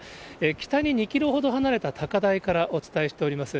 北に２キロほど離れた高台からお伝えしております。